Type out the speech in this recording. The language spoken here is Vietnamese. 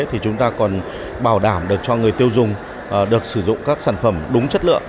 thì chúng ta còn bảo đảm được cho người tiêu dùng được sử dụng các sản phẩm đúng chất lượng